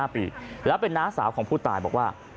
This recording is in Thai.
๕ปีแล้วเป็นน้าสาวของผู้ตายบอกว่า